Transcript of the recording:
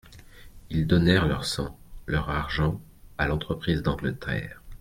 Ils donnèrent leur sang, leur argent, à l'entreprise d'Angleterre.